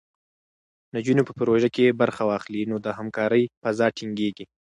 نجونې په پروژو کې برخه واخلي، نو د همکارۍ فضا ټینګېږي.